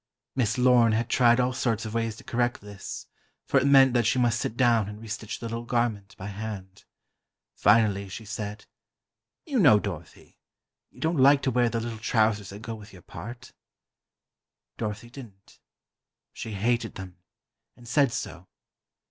Miss Lorne had tried all sorts of ways to correct this, for it meant that she must sit down and restitch the little garment, by hand. Finally, she said: "You know, Dorothy, you don't like to wear the little trousers that go with your part." Dorothy didn't. She hated them, and said so.